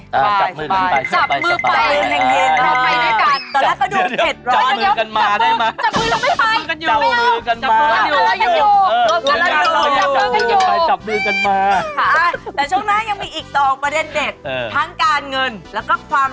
ถือว่า